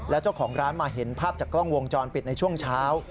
และเจ้าของร้านมาเห็นภาพจากกล้องวงจรปิดในช่วงเช้า